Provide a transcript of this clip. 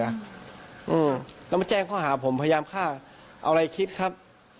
แล้วเขาแจ้งเขาฮาผมพยายามฆ่าเอาไรที่คิดครับ